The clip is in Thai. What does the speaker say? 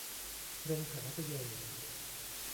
โรงถ่ายภาพยนตร์